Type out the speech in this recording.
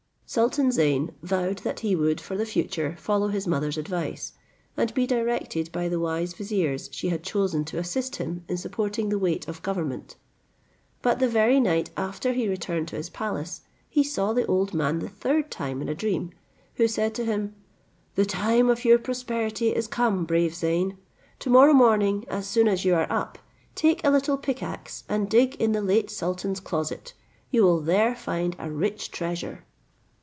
Sultan Zeyn vowed that he would for the future follow his mother's advice, and be directed by the wise viziers she had chosen to assist him in supporting the weight of government. But the very night after he returned to his palace, he saw the old man the third time in a dream, who said to him, "The time of your prosperity is come, brave Zeyn: to morrow morning, as soon as you are up, take a little pick axe, and dig in the late sultan's closet; you will there find a rich treasure."